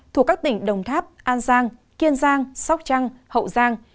thuộc các tỉnh đồng tháp an giang kiên giang sóc trăng hậu giang